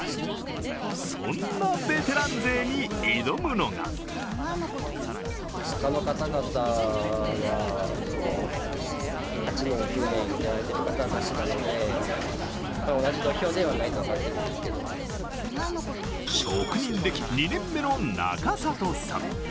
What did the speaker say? そんなベテラン勢に挑むのが職人歴２年目の中里さん。